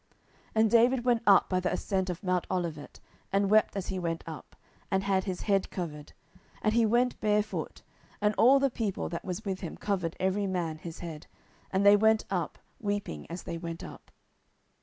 10:015:030 And David went up by the ascent of mount Olivet, and wept as he went up, and had his head covered, and he went barefoot: and all the people that was with him covered every man his head, and they went up, weeping as they went up.